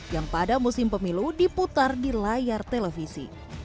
yang pada musim pemilu diputar di layar televisi